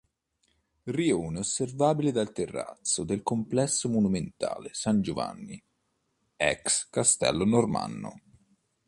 Rione osservabile dal terrazzo del complesso monumentale San Giovanni, ex castello Normanno.